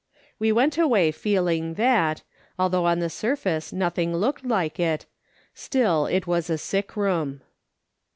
We went away feeling that, although on the surface nothing looked like it, still it was a sick room.